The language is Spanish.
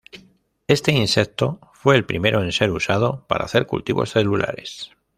Este insecto fue el primero en ser usado para hacer cultivos celulares.